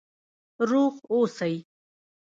روغ اوسئ؟